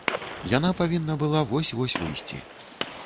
Яна павінна была вось-вось выйсці.